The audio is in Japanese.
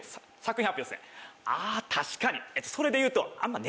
あ確かにそれで言うと。